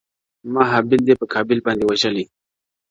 • ما هابيل دئ په قابيل باندي وژلى -